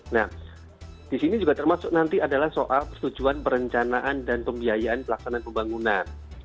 nah di sini juga termasuk nanti adalah soal persetujuan perencanaan dan pembiayaan pelaksanaan pembangunan